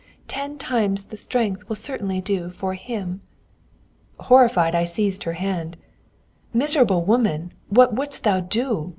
Ten times the strength will certainly do for him." Horrified, I seized her hand. "Miserable woman, what wouldst thou do?